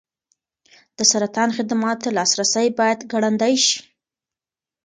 د سرطان خدماتو ته لاسرسی باید ګړندی شي.